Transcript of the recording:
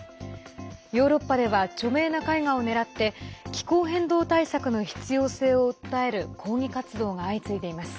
ヨーロッパでは著名な絵画を狙って気候変動対策の必要性を訴える抗議活動が相次いでいます。